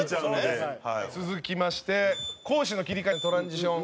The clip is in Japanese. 澤部：続きまして攻守の切り替えトランジション。